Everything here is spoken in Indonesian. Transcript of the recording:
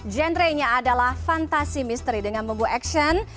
genre nya adalah fantasy mystery dengan membuat action